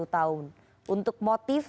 dua puluh tahun untuk motif